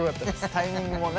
タイミングもね。